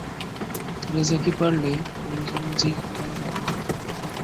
রেখাজী পারলে, গুঞ্জনজী কেন পারবে না?